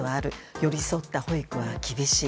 寄り添った保育は厳しい。